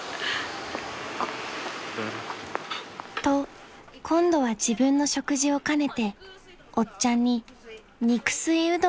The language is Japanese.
［と今度は自分の食事を兼ねておっちゃんに肉吸いうどんをごちそう］